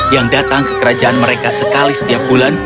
yang datang ke kerajaan mereka sekali setiap bulan